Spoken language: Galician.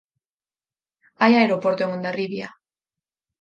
Hai aeroporto en Hondarribia.